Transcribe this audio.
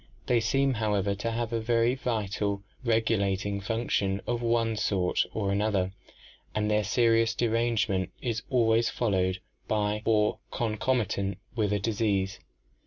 They seem, however, to have a very vital regulating function of one sort or another and their serious derangement is always followed by or concomitant with disease.